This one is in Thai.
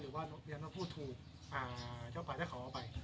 หรือว่าน้องพูดถูกอ่าเจ้าป่าเจ้าขาวเอาไป